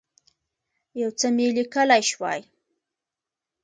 یو څه مي لیکلای شوای.